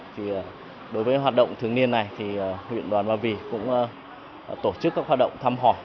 thì đối với hoạt động thường niên này thì huyện đoàn ba vì cũng tổ chức các hoạt động thăm hỏi